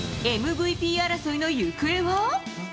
ＭＶＰ争いの行方は。